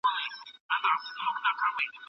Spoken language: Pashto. تاسې باید د ماشومانو په مخ کې جګړه ونه کړئ.